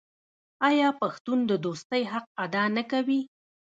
آیا پښتون د دوستۍ حق ادا نه کوي؟